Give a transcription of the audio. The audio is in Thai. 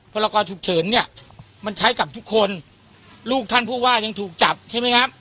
ละกรฉุกเฉินเนี่ยมันใช้กับทุกคนลูกท่านผู้ว่ายังถูกจับใช่ไหมครับ